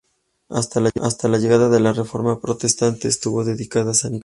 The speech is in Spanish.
Hasta la llegada de la reforma protestante, estuvo dedicada a San Nicolás.